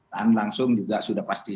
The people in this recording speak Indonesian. dan langsung juga sudah pasti